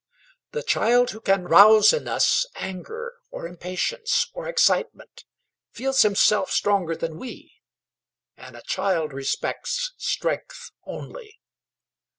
The child who can rouse in us anger, or impatience, or excitement, feels himself stronger than we, and a child respects strength only.